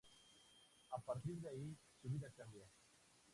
A partir de ahí, su vida cambia.